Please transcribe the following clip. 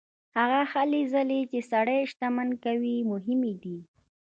هغه هلې ځلې چې سړی شتمن کوي مهمې دي.